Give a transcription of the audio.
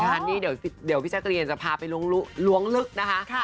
งานนี้เดี๋ยวพี่แจ๊กรีนจะพาไปล้วงลึกนะคะ